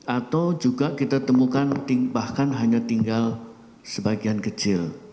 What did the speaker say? atau juga kita temukan bahkan hanya tinggal sebagian kecil